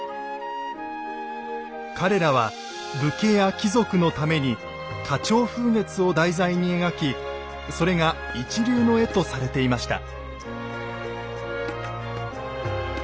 彼らは武家や貴族のために花鳥風月を題材に描きそれが一流の絵とされていました。